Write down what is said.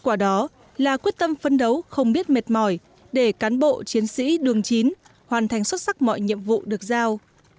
quyết tâm phấn đấu không biết mệt mỏi để cán bộ chiến sĩ đường chín hoàn thành xuất sắc mọi nhiệm vụ được giao